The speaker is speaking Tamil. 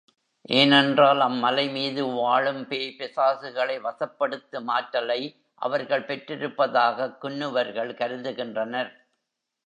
ஏனென்றால் அம்மலை மீது வாழும் பேய் பிசாசுகளை வசப்படுத்தும் ஆற்றலை அவர்கள் பெற்றிருப்பதாகக் குன்னுவர்கள் கருதுகின்றனர்.